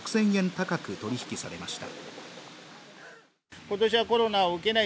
高く取り引きされました。